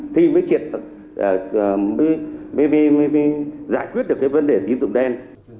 thì mới triệt quyết được cái vấn đề tín dụng đen